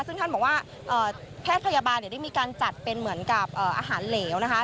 ซึ่งท่านบอกว่าแพทย์พยาบาลได้มีการจัดเป็นเหมือนกับอาหารเหลวนะคะ